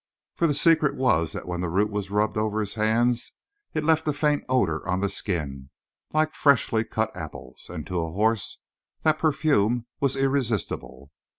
For the secret was that when the root was rubbed over the hands it left a faint odor on the skin, like freshly cut apples; and to a horse that perfume was irresistible.